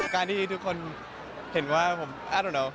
การที่ทุกคนเห็นว่าผมอ้าวไม่รู้